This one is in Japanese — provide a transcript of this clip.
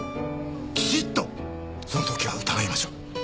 きちっとその時は疑いましょう。